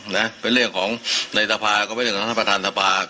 น่ะเป็นเรื่องของในทภาพก็ไม่เรื่องของท่านท่านทภาพ